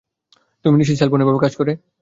তুমি নিশ্চিত সেলফোন এভাবে কাজ করে?